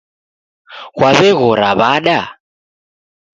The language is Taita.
Kwaw'eghora w'ada